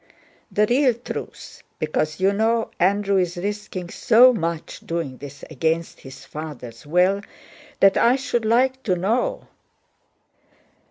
—The real truth, because you know Andrew is risking so much doing this against his father's will that I should like to know...."